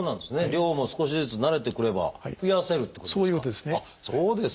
量も少しずつ慣れてくれば増やせるっていうことですか？